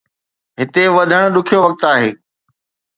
هتي وڌڻ ڏکيو وقت آهي.